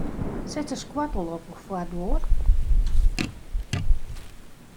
Sit de skoattel op de foardoar?